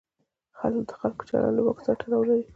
د خلکو چلند له واک سره تړاو لري.